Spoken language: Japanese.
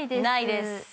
ないです。